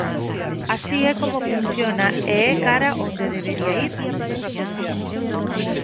Así e como funciona e é cara onde debería ir o noso propio deseño.